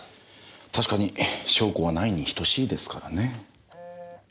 確かに証拠はないに等しいですからね。